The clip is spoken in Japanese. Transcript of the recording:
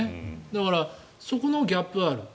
だから、そこのギャップはある。